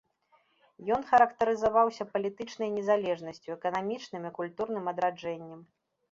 Ён характарызаваўся палітычнай незалежнасцю, эканамічным і культурным адраджэннем.